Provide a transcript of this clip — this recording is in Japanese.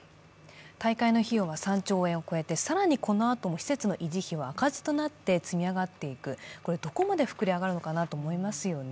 大会の費用は３兆円を超えて更にこのあとも施設の維持費は赤字となって積み上がっていく、これはどこまで膨れ上がっていくのかなと思いますよね。